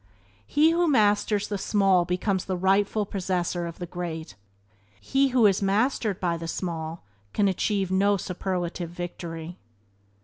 He who masters the small becomes the rightful possessor of the great. He who is mastered by the small can achieve no superlative victory.